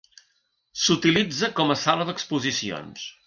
S'utilitza com a sala d'exposicions.